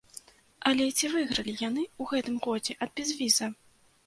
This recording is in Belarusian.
Але ці выйгралі яны ў гэтым годзе ад безвіза?